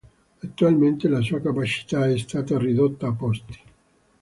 Attualmente la sua capacità è stata ridotta a posti.